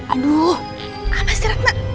aduh apa sih rana